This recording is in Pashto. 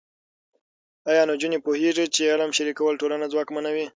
ایا نجونې پوهېږي چې علم شریکول ټولنه ځواکمنوي؟